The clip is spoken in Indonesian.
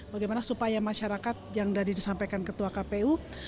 bagaimana supaya masyarakat yang dari disampaikan ketua kpu